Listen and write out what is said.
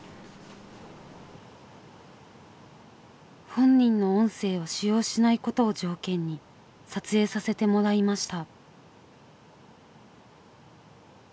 本人の音声を使用しないことを条件に撮影させてもらいました。